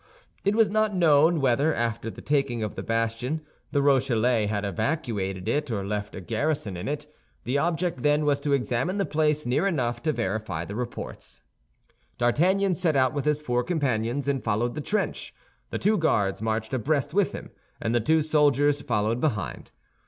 It was not known whether, after the taking of the bastion, the Rochellais had evacuated it or left a garrison in it; the object then was to examine the place near enough to verify the reports. D'Artagnan set out with his four companions, and followed the trench; the two Guards marched abreast with him, and the two soldiers followed behind.